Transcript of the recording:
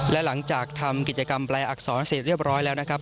และหลังจากทำกิจกรรมแปลอักษรเสร็จเรียบร้อยแล้วนะครับ